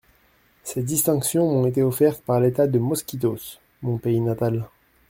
Ces distinctions m’ont été offertes par l’État de Mosquitos, mon pays natal…